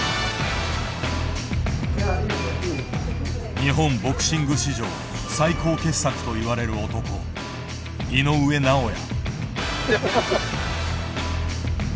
日本ボクシング史上最高傑作といわれる男、井上尚弥。